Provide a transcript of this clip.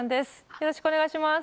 よろしくお願いします。